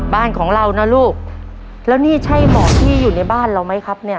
บ้านของเรานะลูกแล้วนี่ใช่หมอที่อยู่ในบ้านเราไหมครับเนี่ย